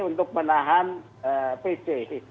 untuk menahan pc